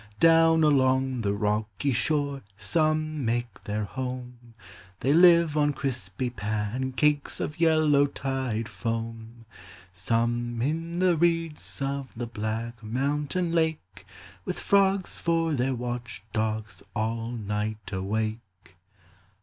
Down along the rocky shore Some make their home, — They live on crispy pancakes Of yellow tide foam ; Some in the reeds ' Of the blapk mountain lake, With frogs for their watch dogs, All night awake.'